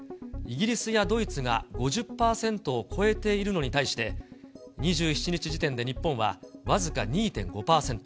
イギリスやドイツが５０％を超えているのに対して、２７日時点で日本は僅か２．５％。